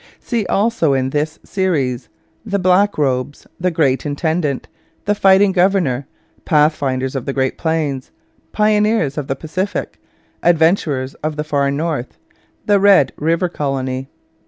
See also in this Series: _The Blackrobes; The Great Intendant; The Fighting Governor; Pathfinders of the Great Plains; Pioneers of the Pacific; Adventurers of the Far North; The Red River Colony.